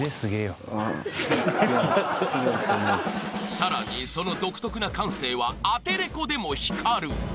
［さらにその独特な感性はアテレコでも光る］